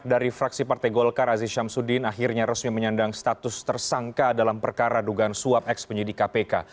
dari fraksi partai golkar aziz syamsuddin akhirnya resmi menyandang status tersangka dalam perkara dugaan suap eks penyidik kpk